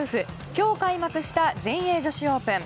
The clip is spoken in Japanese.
今日開幕した全英女子オープン。